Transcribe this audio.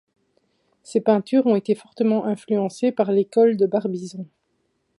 Ses peintures ont été fortement influencés par l'Ecole de Barbizon.